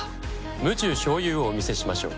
無中生有をお見せしましょう。